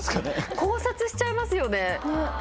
考察しちゃいますよね。